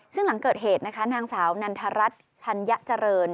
ซึ่งหลังเกิดเหตุนะคะนางสาวนันทรัฐธัญเจริญ